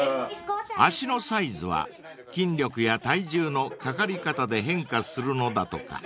［足のサイズは筋力や体重のかかり方で変化するのだとか］